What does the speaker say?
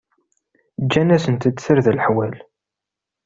Ǧǧan-asent-d tarda n leḥwal.